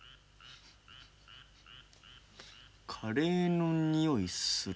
カレーの匂いする。